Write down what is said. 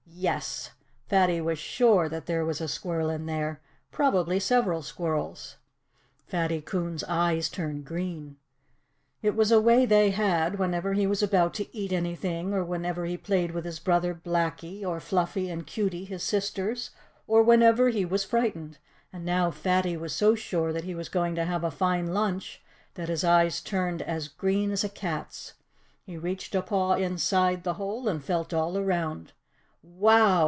Yes! Fatty was sure that there was a squirrel in there probably several squirrels. Fatty Coon's eyes turned green. It was a way they had, whenever he was about to eat anything, or whenever he played with his brother Blackie, or Fluffy and Cutey, his sisters; or whenever he was frightened. And now Fatty was so sure that he was going to have a fine lunch that his eyes turned as green as a cat's. He reached a paw inside the hole and felt all around. WOW!